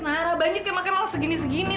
nara banyak emang yang inginographers segini segini